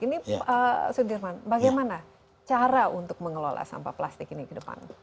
ini sudirman bagaimana cara untuk mengelola sampah plastik ini ke depan